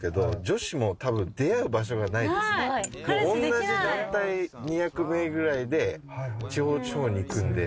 同じ団体２００名ぐらいで地方地方に行くんで。